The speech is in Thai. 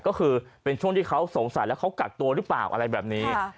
ก็คือเป็นช่วงที่เขาสงสัยแล้วเขากักตัวหรือเปล่าอะไรแบบนี้